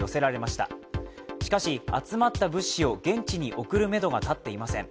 しかし、集まった物資を現地に送るめどが立っていません。